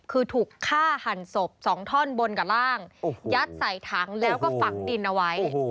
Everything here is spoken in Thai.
คือถูกฆ่าหันศพ๒ท่อนบนกับร่างยัดใส่ถังแล้วก็ฝังดินเอาไว้